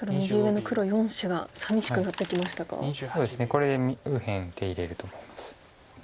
これで右辺手入れると思います。